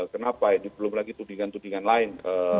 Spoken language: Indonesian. kenapa belum lagi tudingan tudingan lain